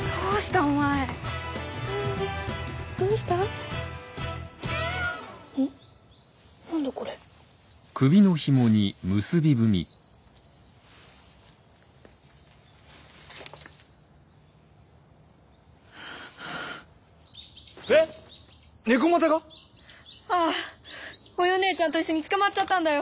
おようねえちゃんと一緒に捕まっちゃったんだよ。